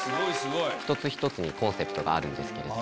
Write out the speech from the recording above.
一つ一つにコンセプトがあるんですけれど。